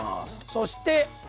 そして。